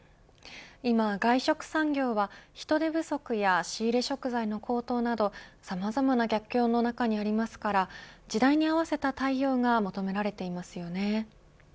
今、外食産業は人手不足や仕入れ食材の高騰などさまざまな逆境の中にありますから時代に合わせた対応が求められていますよね。